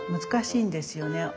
難しいんですよね。